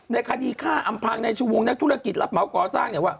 ในคดีฆ่าอำพังในชั่วโมงนักธุรกิจรับเหมาะก่อสร้าง